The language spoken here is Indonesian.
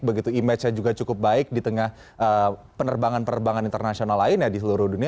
begitu image nya juga cukup baik di tengah penerbangan penerbangan internasional lainnya di seluruh dunia